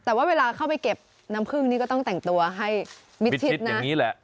แต่ว่าเวลาเข้าไปเก็บน้ำพึ่งนี่ก็ต้องแต่งตัวให้นะวิดชิตอย่างงี้ล่ะ